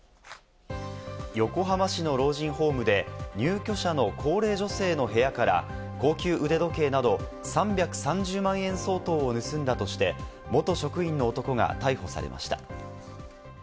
横浜市の老人ホームで、入居者の高齢女性の部屋から高級腕時計など３３０万円相当を盗んだとして元職員の男が逮捕されました。